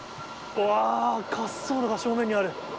うわー、滑走路が正面にある。